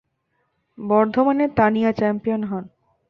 বর্ধমানের তানিয়া চ্যাম্পিয়ন হন।